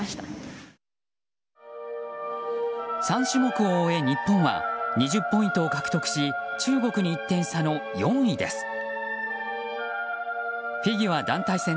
３種目を終え日本は２０ポイントを獲得し中国に１点差の４位です。